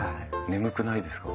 眠くないですか？